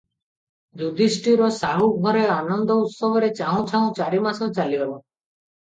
ଯୁଧିଷ୍ଠିର ସାହୁ ଘରେ ଅନନ୍ଦ ଉତ୍ସବରେ ଚାହୁଁ ଚାହୁଁ ଚାରିମାସ ଚାଲିଗଲା ।